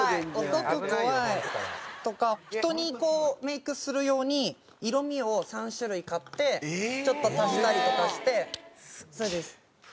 男怖い。とか人にメイクする用に色味を３種類買ってちょっと足したりとかしてそうです。